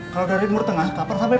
kalau dari timur tengah kapan sampai